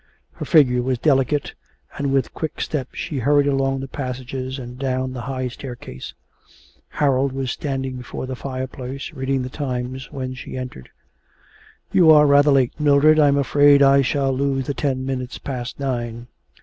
Her figure was delicate, and with quick steps she hurried along the passages and down the high staircase. Harold was standing before the fireplace, reading the Times, when she entered. 'You are rather late, Mildred. I am afraid I shall lose the ten minutes past nine.'